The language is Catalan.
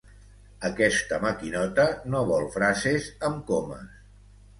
Aquesta maquinota no vol frases amb comes.